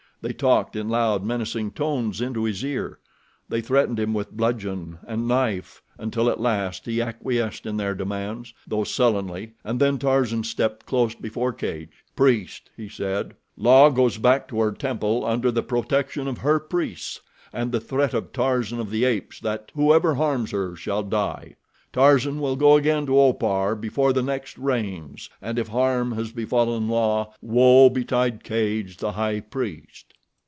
They talked in loud menacing tones into his ear. They threatened him with bludgeon and knife until at last he acquiesced in their demands, though sullenly, and then Tarzan stepped close before Cadj. "Priest," he said, "La goes back to her temple under the protection of her priests and the threat of Tarzan of the Apes that whoever harms her shall die. Tarzan will go again to Opar before the next rains and if harm has befallen La, woe betide Cadj, the High Priest."